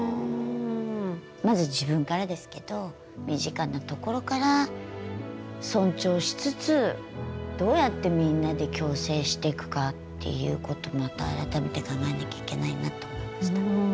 まず自分からですけど身近なところから尊重しつつどうやってみんなで共生していくかっていうことをまた改めて考えなきゃいけないなと思いました。